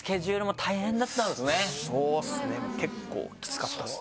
そうですね結構きつかったですね。